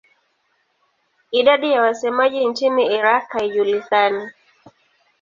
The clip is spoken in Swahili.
Idadi ya wasemaji nchini Iraq haijulikani.